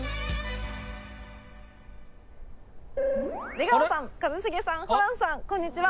出川さん一茂さんホランさんこんにちは。